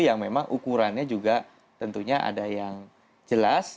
yang memang ukurannya juga tentunya ada yang jelas